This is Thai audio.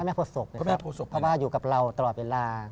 พระแม่โพศกครับเพราะว่าอยู่กับเราตลอดเวลา